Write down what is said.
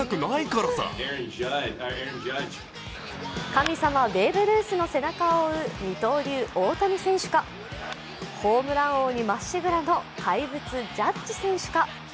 神様、ベーブ・ルースの背中を追う、二刀流・大谷選手かホームラン王にまっしぐらの怪物・ジャッジ選手か。